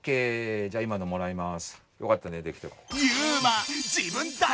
じゃあこれもらいます。